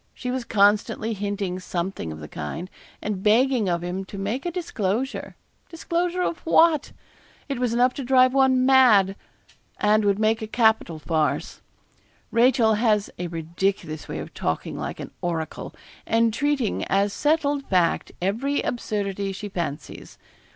She was constantly hinting something of the kind; and begging of him to make a disclosure disclosure of what? It was enough to drive one mad, and would make a capital farce. Rachel has a ridiculous way of talking like an oracle, and treating as settled fact every absurdity she fancies.